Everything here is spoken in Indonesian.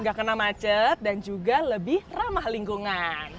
gak kena macet dan juga lebih ramah lingkungan